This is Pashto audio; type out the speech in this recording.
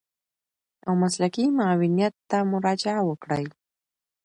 او مسلکي معاونيت ته مراجعه وکړي.